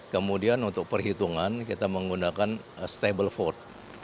kemudian untuk perhitungan kita menggunakan stable vote